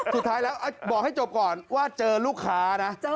สุดท้ายแล้วบอกให้จบก่อนว่าเจอลูกค้านะ